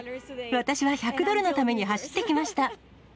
私は１００ドルのために走ってきました。